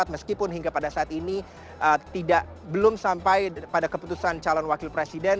meskipun hingga pada saat ini belum sampai pada keputusan calon wakil presiden